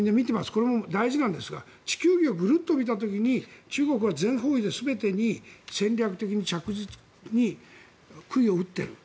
これも大事なんですが地球儀をぐるっと見た時に中国は全方位で全てに戦略的に着実にくいを打っている。